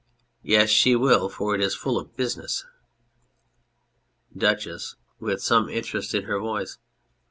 Yes, she wil for it is full of business. DUCHESS (with some interest in her voice).